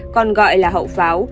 còn gọi là hậu pháo